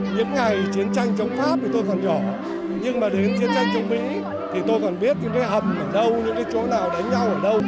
những ngày chiến tranh chống pháp thì tôi còn nhỏ nhưng mà đến chiến tranh chống mỹ thì tôi còn biết những cái hầm ở đâu những cái chỗ nào đánh nhau ở đâu